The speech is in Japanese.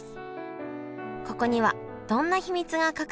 ここにはどんな秘密が隠されているのでしょうか？